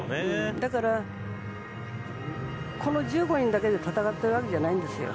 だからこの１５人だけで戦ってるわけじゃないんです。